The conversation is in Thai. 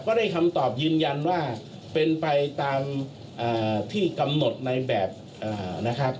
ได้คำตอบยืนยันว่าเป็นไปตามที่กำหนดในแบบนะครับ